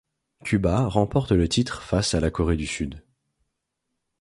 Cuba remporte le titre face à la Corée du Sud.